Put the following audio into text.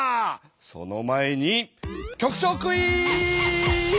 その前に局長クイズ！